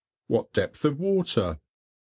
What depth of water_?